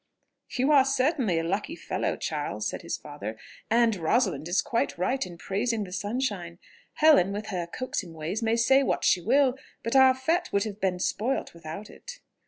"You certainly are a lucky fellow, Charles," said his Father, "and Rosalind is quite right in praising the sunshine. Helen with her coaxing ways may say what she will, but our fête would have been spoilt without it."